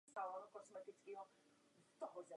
Téměř celé spadá do chráněné krajinné oblasti Orlické hory.